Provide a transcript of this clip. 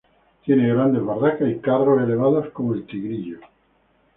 Tiene grandes barrancas y cerros elevados como el Tigrillo.